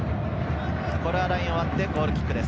ラインを割ってゴールキックです。